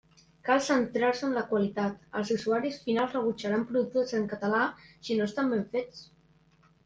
Cal centrar-se en la qualitat: els usuaris finals rebutjaran productes en català si no estan ben fets.